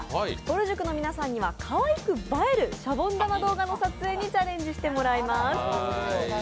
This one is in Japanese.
ぼる塾の皆さんにはかわいく映えるシャボン玉動画の撮影にチャレンジしてもらいます。